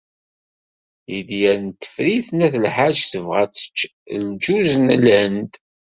Lidya n Tifrit n At Lḥaǧ tebɣa ad tečč lǧuz n Lhend.